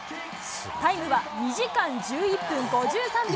タイムは２時間１１分５３秒。